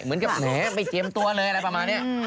เหมือนกับแหมไม่เตรียมตัวเลยอะไรประมาณนี้